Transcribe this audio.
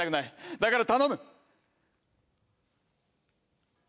だから頼む！